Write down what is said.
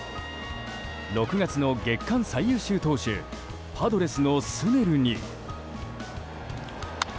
６月の月間最優秀投手パドレスのスネルに。